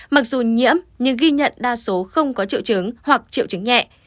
mặc dù nhiễm nhưng ghi nhận đa số không có triệu chứng hoặc triệu chứng nhẹ